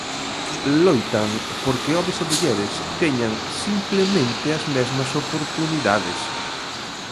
Loitan porque homes e mulleres teñan simplemente as mesmas oportunidades.